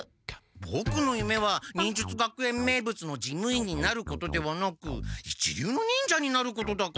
ボクのゆめは忍術学園名物の事務員になることではなく一流の忍者になることだから。